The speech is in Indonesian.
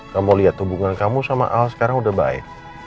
kamu lihat hubungan kamu sama al sekarang udah baik